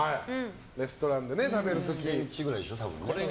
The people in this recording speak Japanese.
レストランで食べる時。